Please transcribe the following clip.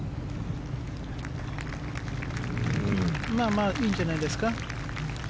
まあいいんじゃないですか。